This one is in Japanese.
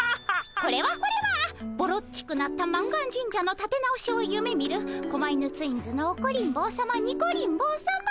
これはこれはぼろっちくなった満願神社のたて直しを夢みる狛犬ツインズのオコリン坊さまニコリン坊さま。